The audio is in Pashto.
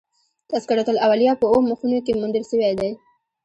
تذکرة الاولیاء" په اوو مخونو کښي موندل سوى دئ.